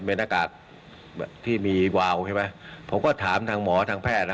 เป็นอากาศที่มีวาวใช่ไหมผมก็ถามทางหมอทางแพทย์นะ